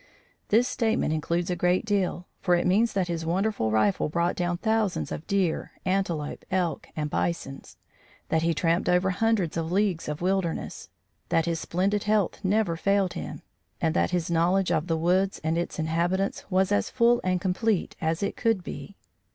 This statement includes a great deal, for it means that his wonderful rifle brought down thousands of deer, antelope, elk and bisons; that he tramped over hundreds of leagues of wilderness; that his splendid health never failed him, and that his knowledge of the woods and its inhabitants was as full and complete as it could be.